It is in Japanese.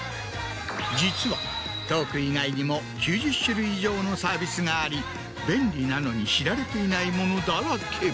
実はトーク以外にも９０種類以上のサービスがあり便利なのに知られていないものだらけ。